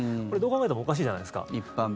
これ、どう考えてもおかしいじゃないですか。